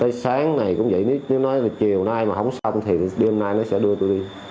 tới sáng này cũng vậy nếu nói chiều nay mà không xanh thì đêm nay nó sẽ đưa tôi đi